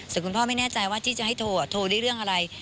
แต่คุณพ่อไม่แน่ใจว่าที่จะให้โทรโทรได้เรื่องอะไร